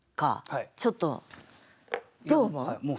ちょっとどう思う？